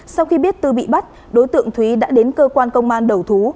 sau khi biết tư bị bắt đối tượng thúy đã đến cơ quan công an đầu thú